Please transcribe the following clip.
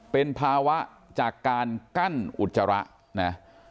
เป็นภาวะจากการกั้นอุจจาระนะ